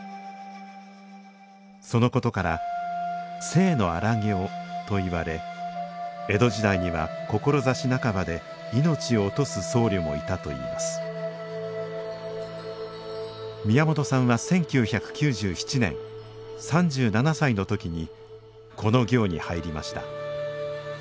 そのことから「静の荒行」といわれ江戸時代には志半ばで命を落とす僧侶もいたといいます宮本さんは１９９７年３７歳の時にこの行に入りました。